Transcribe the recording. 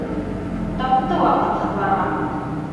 Тапты ваҡыт һыҙларға.